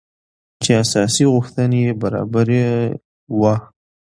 چې اساسي غوښتنې يې برابري وه .